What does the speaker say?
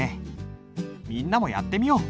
みんなもやってみよう！